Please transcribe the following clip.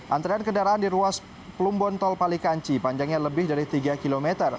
antrian kendaraan di ruas plumbon tol palikanci panjangnya lebih dari tiga km